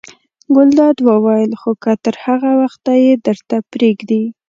ګلداد وویل: خو که تر هغه وخته یې درته پرېږدي.